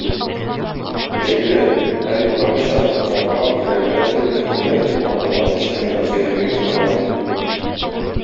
Бәйгеләр, һәр елдагыча, "Вокал", "Хореография", "Төркемнәр" дип аталган өч номинациядә оештырыла.